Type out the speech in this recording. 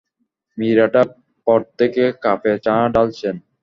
Meera teapot থেকে কাপে চা ঢালছেন।